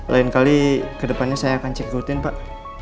lain kali kedepannya saya akan cek ikutin pak